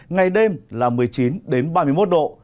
ngày đêm là một mươi chín ba mươi một độ